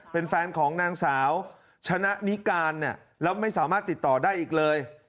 เป็นแฟนของนางสาวชนะนิการเนี่ยแล้วไม่สามารถติดต่อได้อีกเลย